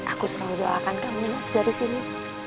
aku selalu doakan kamu mas dari sini